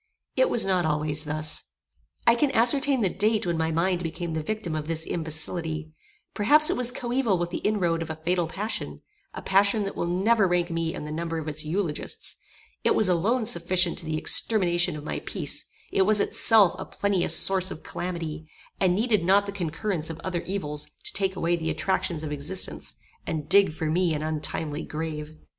It was not always thus. I can ascertain the date when my mind became the victim of this imbecility; perhaps it was coeval with the inroad of a fatal passion; a passion that will never rank me in the number of its eulogists; it was alone sufficient to the extermination of my peace: it was itself a plenteous source of calamity, and needed not the concurrence of other evils to take away the attractions of existence, and dig for me an untimely grave.